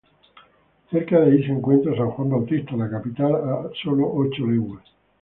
Cerca de ahí, se encontraba San Juan Bautista, la capital, a solo ocho leguas.